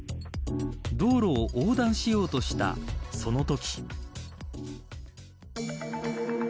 道路を横断しようとしたそのとき。